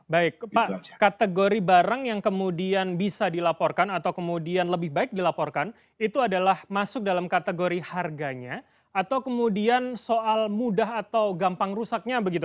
baik pak kategori barang yang kemudian bisa dilaporkan atau kemudian lebih baik dilaporkan itu adalah masuk dalam kategori harganya atau kemudian soal mudah atau gampang rusaknya begitu